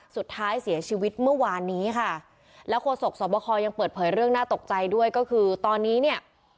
สุดท้ายเสียชีวิตเมื่อวานนี้ค่ะแล้วโฆษกสอบคอยังเปิดเผยเรื่องน่าตกใจด้วยก็คือตอนนี้เนี่ย